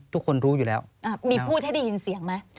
ทุกคนรู้อยู่แล้วมีพูดให้ได้ยินเสียงไหม